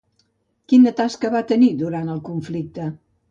Quina tasca va tenir, durant el conflicte?